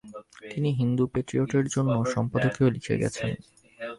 তিনি হিন্দু পেট্রিয়টের জন্য সম্পাদকীয় লিখে গেছেন ।